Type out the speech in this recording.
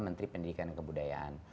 menteri pendidikan dan kebudayaan